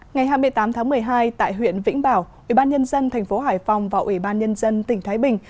ngày hai mươi tám tháng một mươi hai tại huyện vĩnh bảo ủy ban nhân dân thành phố hải phòng và ủy ban nhân dân tỉnh thái bình